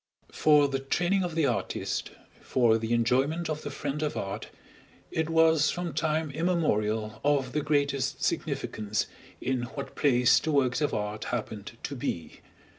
For the training of the artist, for the enjoyment of the friend of art, it was from time immemorial of the greatest significance in what place the works of art happened to be.